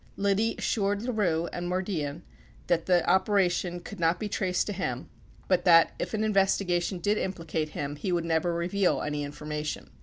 53 Liddy assured LaRue and Mardian that the operation could not be traced to him, but that, if an investigation did implicate him, he would never reveal any information.